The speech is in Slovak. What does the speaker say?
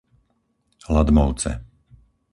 Ladmovce